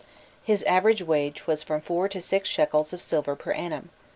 His average wage was from four to six shekels of silver per annum.